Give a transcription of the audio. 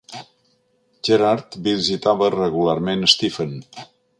Gerard visitava regularment Stephen.